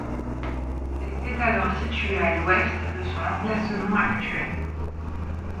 Elle était alors située à l'ouest de son emplacement actuel.